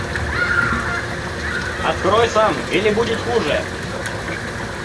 – Открой сам, или будет хуже!